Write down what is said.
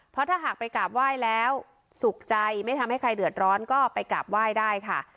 เพราะถ้าหากไปกราบไหว้แล้วสุขใจไม่ทำให้ใครเดือดร้อนก็ไปกราบไหว้ได้ค่ะ